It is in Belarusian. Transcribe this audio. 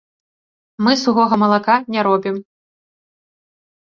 Мы сухога малака не робім.